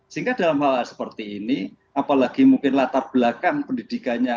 sehingga dalam hal hal seperti ini apalagi mungkin latar belakang pendidikannya